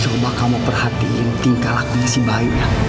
coba kamu perhatiin tingkah lakunya si bayu ya